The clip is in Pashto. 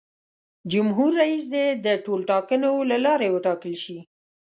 جمهور رئیس دې د ټولټاکنو له لارې وټاکل شي.